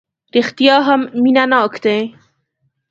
رېښتیا هم مینه ناک دی.